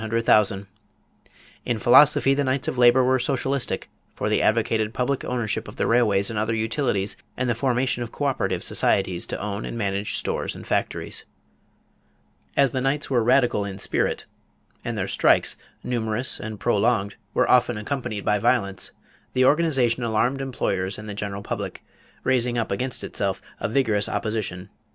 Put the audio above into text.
In philosophy, the Knights of Labor were socialistic, for they advocated public ownership of the railways and other utilities and the formation of coöperative societies to own and manage stores and factories. As the Knights were radical in spirit and their strikes, numerous and prolonged, were often accompanied by violence, the organization alarmed employers and the general public, raising up against itself a vigorous opposition.